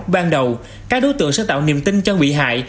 ban đầu các đối tượng sẽ tạo niềm tin cho bị hại